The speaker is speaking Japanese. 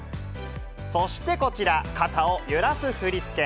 そしてこちら、肩を揺らす振り付け。